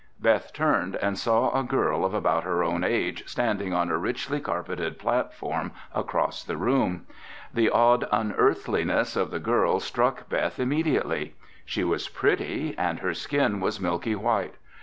Beth turned and saw a girl of about her own age standing on a richly carpeted platform across the room. The odd unearthliness of the girl struck Beth immediately. She was pretty and her skin was milky white.